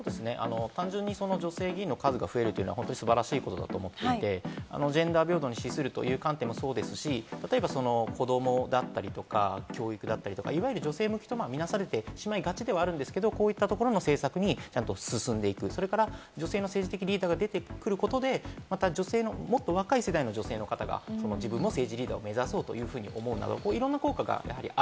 単純に女性議員の数が増えることは素晴らしいことだと思っていて、ジェンダー描写運動に資するということもそうですし、例えば子どもだったり教育だったり、いわゆる女性のテーマが見直されていくこともあるんですが、こういう政策に進んでいく女性の政治的リーダーが出てくることで、また女性のもっと若い世代の女性の方が、自分も政治リーダーを目指そうということになる。